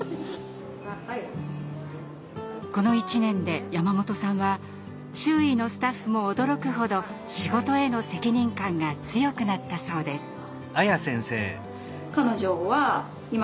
この一年で山本さんは周囲のスタッフも驚くほど仕事への責任感が強くなったそうです。